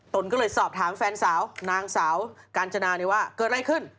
ตนก็เลยสอบถามแฟนสาวนางสาวกาญจนาว่าเกิดอะไรขึ้น